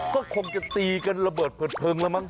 ก็คงจะตีกันระเบิดเปิดเพลิงแล้วมั้